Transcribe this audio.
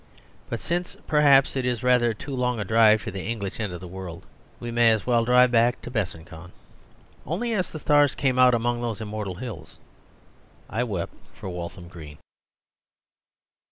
But since, perhaps, it is rather too long a drive to the English end of the world, we may as well drive back to Besançon." Only as the stars came out among those immortal hills I wept for Walham Green.